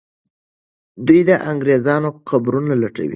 دوی د انګریزانو قبرونه لټولې.